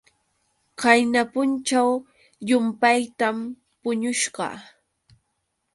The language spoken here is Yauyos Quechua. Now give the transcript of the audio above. Qayna punćhaw llumpaytam puñusqa.